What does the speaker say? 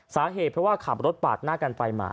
สาเหตุเพราะว่าขับรถปาดหน้ากันไปมา